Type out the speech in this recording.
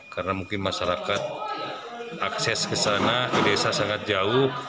karena mungkin masyarakat akses ke sana ke desa sangat jauh